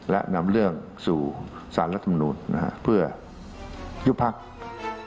และนำเรื่องสู่ศาลรัฐมนุษย์เพื่อยุบภักดิ์